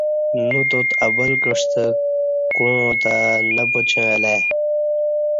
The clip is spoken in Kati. نوتات ابل کعستہ کوعاں تہ نہ پاچیں اہ لہ ای